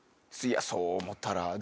いやそう思ったら。